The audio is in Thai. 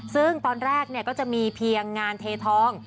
ซึ่งตอนแรกก็จะมีเพียงงานเททอง